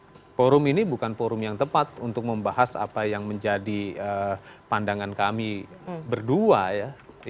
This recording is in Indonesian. jadi forum ini bukan forum yang tepat untuk membahas apa yang menjadi pandangan kami berdua ya